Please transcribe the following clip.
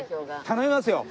頼みますよ！